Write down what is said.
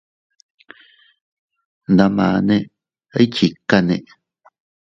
Ndamane, ¿iychikanne?